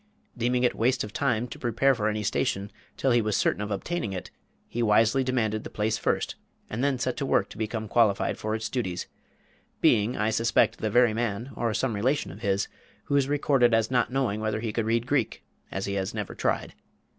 Deeming it waste of time to prepare for any station till he was certain of obtaining it, he wisely demanded the place first, and then set to work to become qualified for its duties, being, I suspect, the very man, or some relation of his, who is recorded as not knowing whether he could read Greek, as he had never tried.